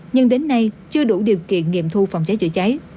nhưng đến nay chưa đủ điều kiện nghiệm thu phòng cháy chữa cháy